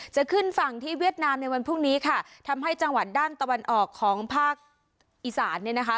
จะขึ้นฝั่งที่เวียดนามในวันพรุ่งนี้ค่ะทำให้จังหวัดด้านตะวันออกของภาคอีสานเนี่ยนะคะ